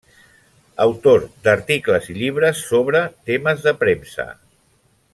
Autor d'articles i llibres sobre temes de premsa.